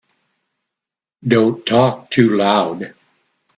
Don't talk too loud.